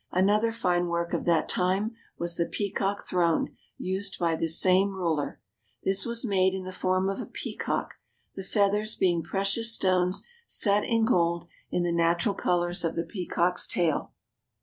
Another fine work of that time was the Peacock Throne used by this same ruler. This was made in the form of a peacock, the feathers being precious stones set in gold in the natural colors of the peacock's tail.